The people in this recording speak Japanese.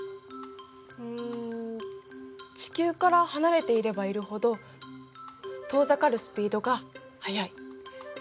うん地球から離れていればいるほど遠ざかるスピードが速い。